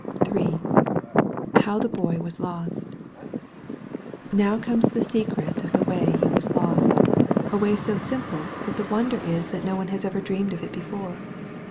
276 THE BOY OP NAZARETH DREAMS III HOW THE BOY WAS LOST Now comes the secret of the way he was lost — a way so simple that the wonder is that no one has ever dreamed of it before.